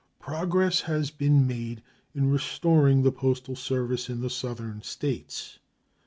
Progress has been made in restoring the postal service in the Southern States.